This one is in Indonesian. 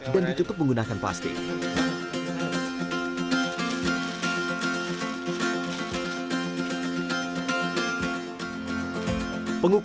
dan dicutup menggunakan plastik